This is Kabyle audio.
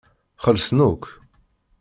Xellṣen akk.